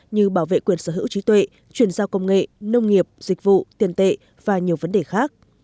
như bảo vệ quyền sở hữu trí tuệ chuyển giao công nghệ nông nghiệp dịch vụ tiền tệ và nhiều vấn đề khác